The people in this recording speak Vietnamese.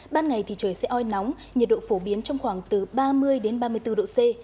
ban ngày thì trời sẽ oi nóng nhiệt độ phổ biến trong khoảng từ ba mươi ba mươi bốn độ c